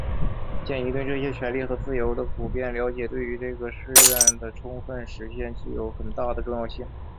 鉴于对这些权利和自由的普遍了解对于这个誓愿的充分实现具有很大的重要性